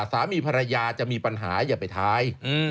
สามีภรรยาจะมีปัญหาอย่าไปท้าย